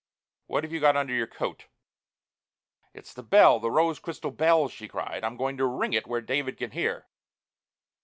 What have you got under your coat?" "It's the bell, the rose crystal bell!" she cried. "I'm going to ring it where David can hear!"